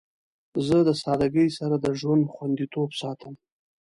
زه د سادگی سره د ژوند خوندیتوب ساتم.